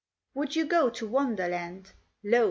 Would you go to Wonderland ? Lo